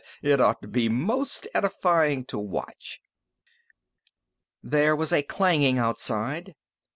It'd ought to be most edifyin' to watch!" There was a clanging outside.